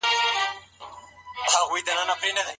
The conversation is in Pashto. که ميرمن د حقوقو په مقابل کي عوض وغواړي؟